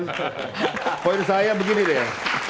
tapi poin saya begini deh ya